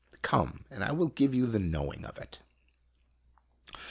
Come, and I will give you the knowing of it."